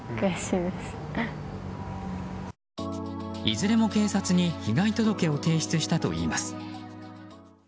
いずれも警察に被害届を提出したといいます。